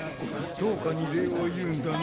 トオカに礼を言うんだな。